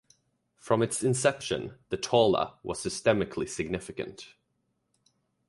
From its inception the Taula was systemically significant.